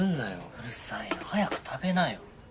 うるさいな早く食べなよ。